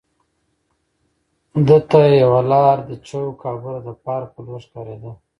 ده ته یوه لار د چوک او بله د پارک په لور ښکارېده.